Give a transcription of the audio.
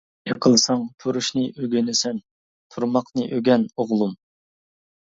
يىقىلساڭ تۇرۇشنى ئۆگىنىسەن، تۇرماقنى ئۆگەن ئوغلۇم.